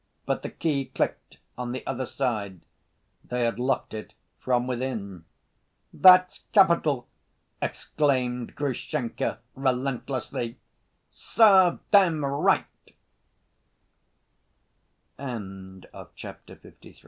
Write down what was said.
But the key clicked on the other side, they had locked it from within. "That's capital!" exclaimed Grushenka relentlessly. "Serve t